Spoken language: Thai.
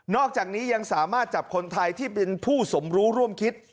อกจากนี้ยังสามารถจับคนไทยที่เป็นผู้สมรู้ร่วมคิด